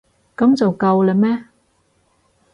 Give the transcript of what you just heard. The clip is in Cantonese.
噉就夠喇咩？